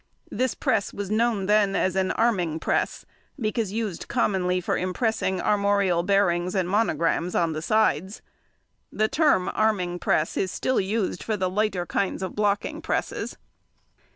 This press was known then as an arming press, because used commonly for impressing armorial bearings and monograms on the sides. The term arming press is still used for the lighter kinds of blocking presses.